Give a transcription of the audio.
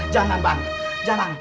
jangan bang jangan